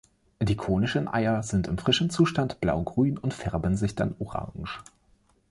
Die konischen Eier sind im frischen Zustand blaugrün und färben sich dann orange.